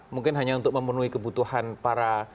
mungkin hanya untuk memenuhi kebutuhan para